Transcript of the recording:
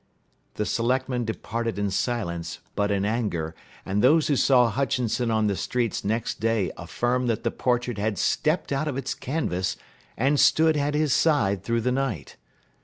The selectmen departed in silence but in anger, and those who saw Hutchinson on the streets next day affirmed that the portrait had stepped out of its canvas and stood at his side through the night.